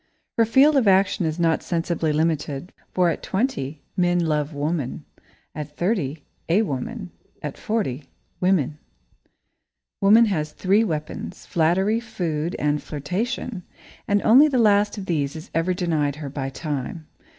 Her field of action is not sensibly limited, for at twenty men love woman, at thirty a woman, and at forty, women. [Sidenote: Three Weapons] Woman has three weapons flattery, food, and flirtation, and only the last of these is ever denied her by Time.